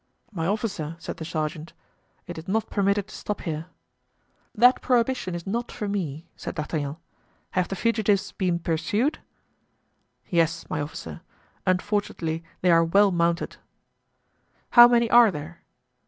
"My officer," said the sergeant, "it is not permitted to stop here." "That prohibition is not for me," said D'Artagnan. "Have the fugitives been pursued?" "Yes, my officer; unfortunately, they are well mounted." "How many are there?"